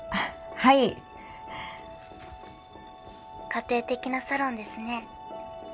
「家庭的なサロンですね」